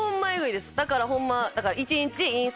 だからホンマ一日。